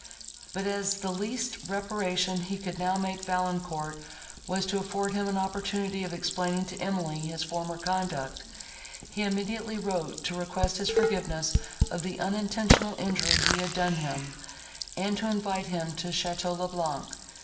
But, as the least reparation he could now make Valancourt was to afford him an opportunity of explaining to Emily his former conduct, he immediately wrote, to request his forgiveness of the unintentional injury he had done him, and to invite him to Château le Blanc.